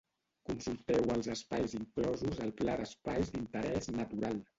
Consulteu els espais inclosos al Pla d'espais d'Interès Natural.